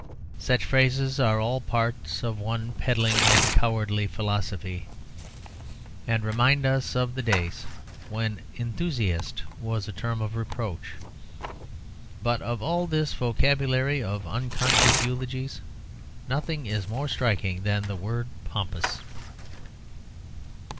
Such phrases are all parts of one peddling and cowardly philosophy, and remind us of the days when 'enthusiast' was a term of reproach. But of all this vocabulary of unconscious eulogies nothing is more striking than the word 'pompous.'